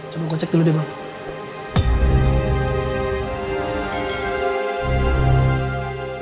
coba gue cek dulu deh bang